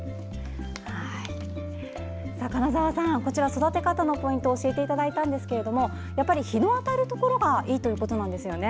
金沢さん、育て方のポイント教えていただいたんですが日の当たるところがいいということなんですね。